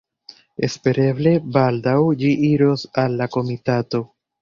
Espereble baldaŭ ĝi iros al la komitato.